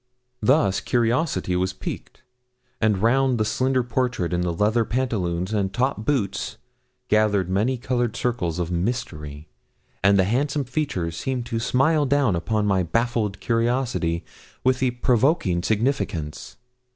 Thus curiosity was piqued; and round the slender portrait in the leather pantaloons and top boots gathered many coloured circles of mystery, and the handsome features seemed to smile down upon my baffled curiosity with a provoking significance.